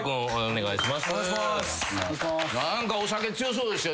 お願いします。